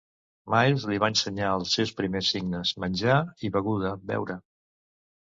Miles li va ensenyar els seus primers signes, "menjar" i "beguda-beure".